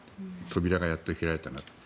扉がやっと開いたなと。